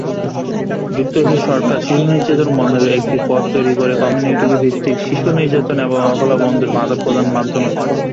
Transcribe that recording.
যুক্তরাষ্ট্রের সরকার শিশু-নির্যাতন বন্ধের একটি পথ তৈরী করে কমিউনিটি ভিত্তিক শিশু নির্যাতন এবং অবহেলা বন্ধের জন্য ভাতা প্রদানের মাধ্যমে।